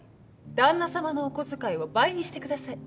旦那様のお小遣いを倍にしてください。